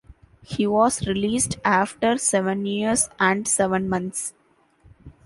He was released after seven years and seven months.